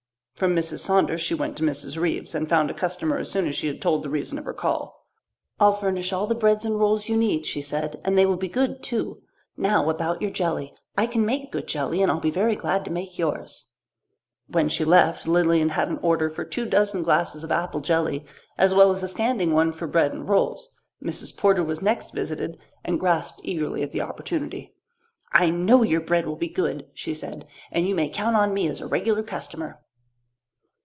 From Mrs. Saunders she went to Mrs. Reeves and found a customer as soon as she had told the reason of her call. "I'll furnish all the bread and rolls you need," she said, "and they will be good, too. Now, about your jelly. I can make good jelly, and I'll be very glad to make yours." When she left, Lilian had an order for two dozen glasses of apple jelly, as well as a standing one for bread and rolls. Mrs. Porter was next visited and grasped eagerly at the opportunity. "I know your bread will be good," she said, "and you may count on me as a regular customer."